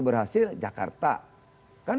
berhasil jakarta kan